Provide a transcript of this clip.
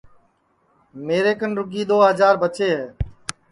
میرے کن رُگی دؔو ہجار بچے ہے